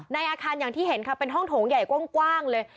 ในอาคารอย่างที่เห็นค่ะเป็นห้องโถงใหญ่กว้างเลย